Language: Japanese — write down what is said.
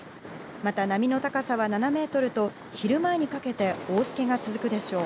また、波の高さは７ｍと昼前にかけて大しけが続くでしょう。